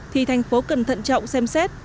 thì thành phố cần thận trọng xem xét